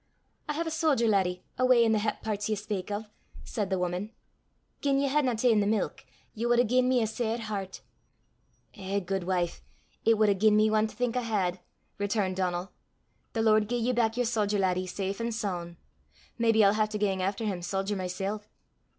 "I hae a sodger laddie awa' i' the het pairts ye spak o'," said the woman: "gien ye hadna ta'en the milk, ye wad hae gi'en me a sair hert." "Eh, guidwife, it wad hae gi'en me ane to think I had!" returned Donal. "The Lord gie ye back yer sodger laddie safe an' soon'! Maybe I'll hae to gang efter 'im, sodger mysel'."